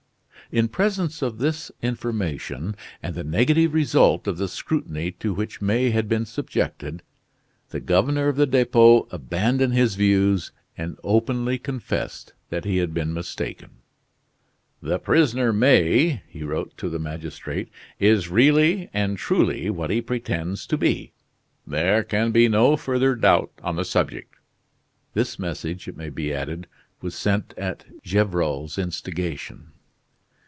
In presence of this information and the negative result of the scrutiny to which May had been subjected, the governor of the Depot abandoned his views and openly confessed that he had been mistaken. "The prisoner, May," he wrote to the magistrate, "is really and truly what he pretends to be. There can be no further doubt on the subject." This message, it may be added, was sent at Gevrol's instigation.